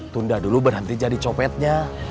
tunda dulu berhenti jadi copetnya